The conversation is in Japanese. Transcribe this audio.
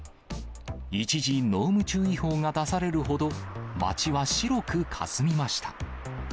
一時、濃霧注意報が出されるほど、街は白くかすみました。